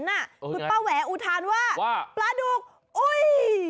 คุณป้าแหวอุทานว่าปลาดุกอุ้ย